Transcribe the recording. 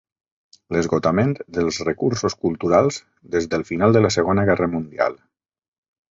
L'esgotament dels recursos culturals des del final de la segona guerra mundial.